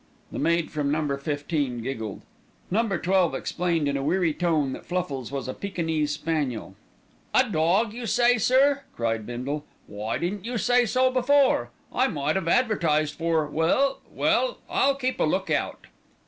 The maid from Number Fifteen giggled. Number Twelve explained in a weary tone that Fluffles was a Pekinese spaniel. "A dog, you say, sir," cried Bindle, "why didn't you say so before? I might 'ave advertised for well, well, I'll keep a look out."